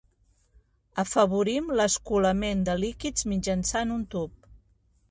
Afavorim l'escolament de líquids mitjançant un tub.